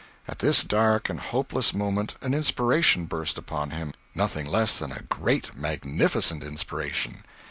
At this dark and hopeless moment an inspiration burst upon him! Nothing less than a great, magnificent inspiration.